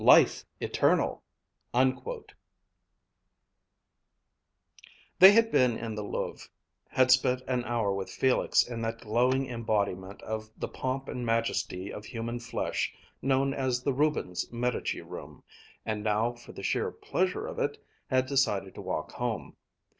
Life Eternal!_'" They had been in the Louvre, had spent an hour with Felix in that glowing embodiment of the pomp and majesty of human flesh known as the Rubens Medici Room, and now, for the sheer pleasure of it, had decided to walk home.